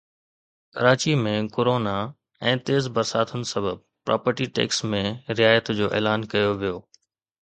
Karachi ۾ corona ۽ تيز برساتن سبب پراپرٽي ٽيڪس ۾ رعايت جو اعلان ڪيو ويو